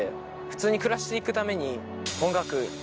普通に暮らして行くために。